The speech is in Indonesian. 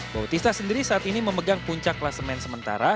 bautista sendiri saat ini memegang puncak klasemen sementara